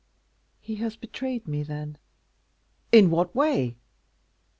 "He has betrayed me, then?" "In what way?"